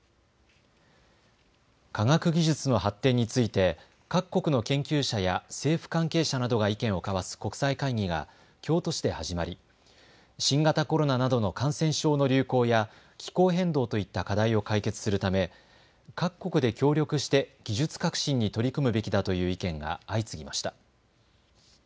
科学技術の発展について各国の研究者や政府関係者などが意見を交わす国際会議が京都市で始まり新型コロナなどの感染症の流行や気候変動といった課題を解決するため各国で協力して技術革新に取り組むべきだという意見が相次ぎました。